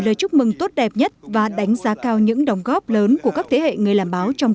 lời chúc mừng tốt đẹp nhất và đánh giá cao những đồng góp lớn của các thế hệ người làm báo trong